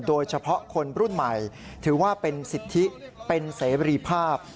โดยเฉพาะคนรุ่นใหม่ถือว่าเป็นสิทธิเป็นเสรีภาพ